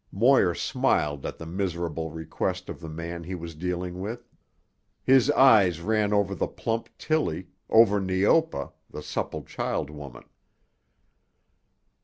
Moir smiled at the miserable request of the man he was dealing with. His eyes ran over the plump Tillie, over Neopa, the supple child woman.